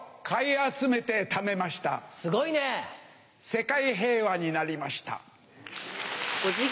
世界平和になりました。